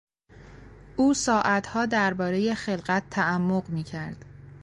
او ساعتها دربارهی خلقت تعمق میکرد.